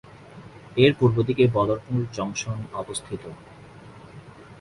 এর পূর্ব দিকে বদরপুর জংশন অবস্থিত।